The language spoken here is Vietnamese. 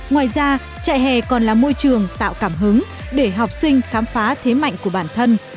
ngoài ra trại hè còn là môi trường tạo cảm hứng để học sinh khám phá thế mạnh của bản thân